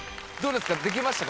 できましたか？